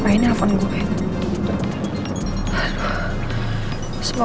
ternyata udah berjalan